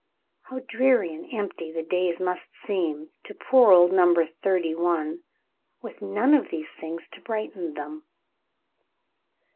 How dreary and empty the days must seem to poor old Number Thirty one, with none of these things to brighten them.